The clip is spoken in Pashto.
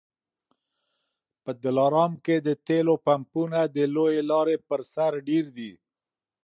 په دلارام کي د تېلو پمپونه د لويې لارې پر سر ډېر دي